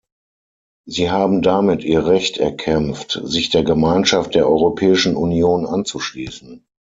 Sie haben damit ihr Recht erkämpft, sich der Gemeinschaft der Europäischen Union anzuschließen.